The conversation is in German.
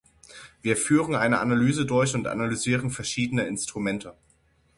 Wir führen eine Analyse durch und analysieren verschiedene Instrumente.